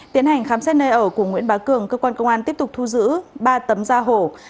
tiến hành khám xét nơi ở của nguyễn bá cường cơ quan công an tiếp tục thu giữ ba tấm da hổ